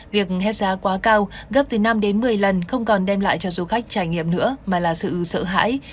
việc hết giá quá cao gấp từ năm đến một mươi lần không còn đem lại cho du khách trải nghiệm nữa mà là sự sợ hãi